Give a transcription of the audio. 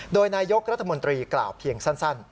โดยนายกรัฐมนตรีกล่าวเพียงสั้น